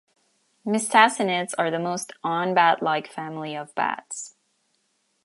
Mystacinids are the most "un-batlike" family of bats.